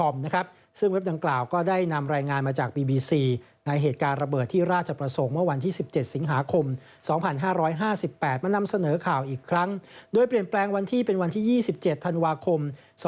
ปลอดภัยในวันที่๒๗ธันวาคม๒๕๕๙